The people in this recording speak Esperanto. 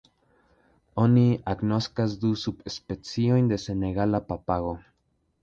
Oni agnoskas du subspeciojn de senegala papago.